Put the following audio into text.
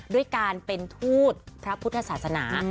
ด้วยการเป็นทูตพระพุทธศาสนา